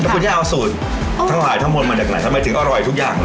คุณย่าเอาสูตรทั้งหลายทั้งหมดมาจากไหนทำไมถึงอร่อยทุกอย่าง